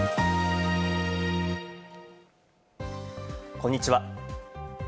こんにちは。